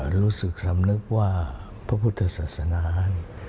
รู้สึกสำนึกว่าพระพุทธศาสนา